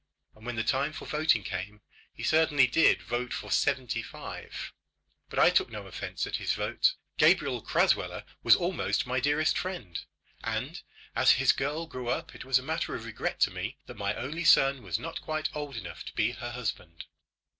And when the time for voting came, he certainly did vote for seventy five. But I took no offence at his vote. Gabriel Crasweller was almost my dearest friend, and as his girl grew up it was a matter of regret to me that my only son was not quite old enough to be her husband.